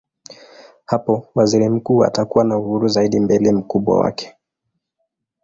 Hapo waziri mkuu atakuwa na uhuru zaidi mbele mkubwa wake.